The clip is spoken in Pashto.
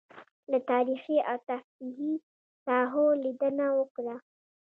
له تاريخي او تفريحي ساحو لېدنه وکړه.